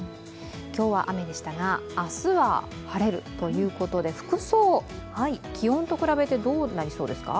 今日は雨でしたが、明日は晴れるということで服装、気温と比べてどうなりそうですか？